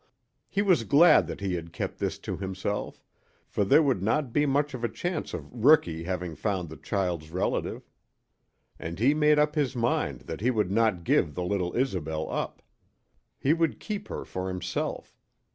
He was glad that he had kept this to himself, for there would not be much of a chance of Rookie having found the child's relative. And he made up his mind that he would not give the little Isobel up. He would keep her for himself.